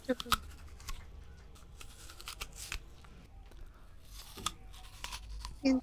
কিন্তু পরদিন মঙ্গলবারও তারা ভর্তি-ইচ্ছুক শিক্ষার্থীদের ভর্তিতে বাধা দেওয়ার চেষ্টা করে।